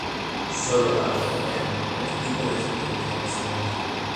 Solo para obtener el tipo de experiencia que se merecen".